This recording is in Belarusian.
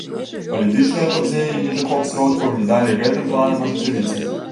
Палітычныя падзеі і недахоп сродкаў не далі гэтым планам ажыццявіцца.